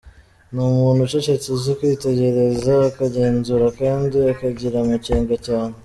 Ni umuntu ucecetse, uzi kwitegereza, akagenzura kandi akagira amakenga cyane.